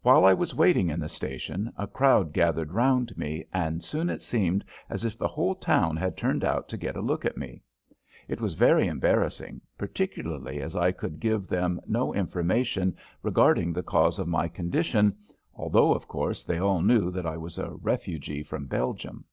While I was waiting in the station a crowd gathered round me, and soon it seemed as if the whole town had turned out to get a look at me. It was very embarrassing, particularly as I could give them no information regarding the cause of my condition, although, of course, they all knew that I was a refugee from Belgium.